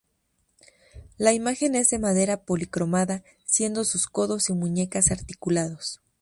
La imagen es de madera policromada siendo sus codos y muñecas articulados.